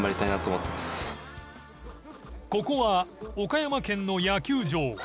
ここは岡山県の野球場。